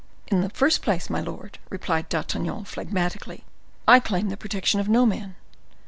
"In the first place, my lord," replied D'Artagnan, phlegmatically, "I claim the protection of no man.